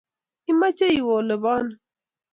Imache iwe ole paano?